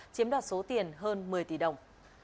chiếm đoạt số tiền hơn một mươi tỷ đồng